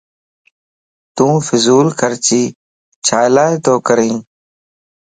تون فضول خرچي ڇيلا تو ڪرين؟